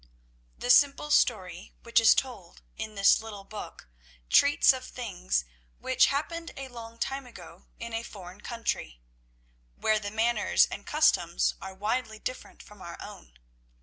The simple story which is told in this little book treats of things which happened a long time ago in a foreign country, where the manners and customs are widely different from our own.